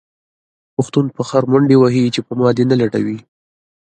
پښتون په خر منډې وهې چې ما دې نه لټوي.